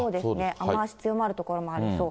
雨足強まる所もありそう。